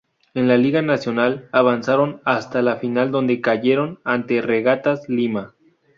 En la Liga Nacional, avanzaron hasta la final donde cayeron ante Regatas Lima.